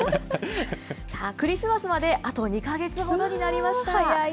クリスマスまであと２か月ほどになりました。